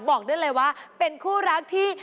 บอกได้เลยว่าเป็นคู่รักที่